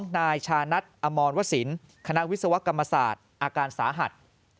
นายชานัทอมรวสินคณะวิศวกรรมศาสตร์อาการสาหัส